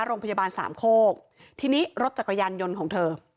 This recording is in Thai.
โรงพยาบาลสามโคกทีนี้รถจักรยานยนต์ของเธอ